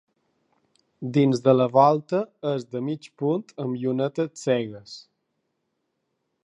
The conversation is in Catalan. Dins de la volta és de mig punt amb llunetes cegues.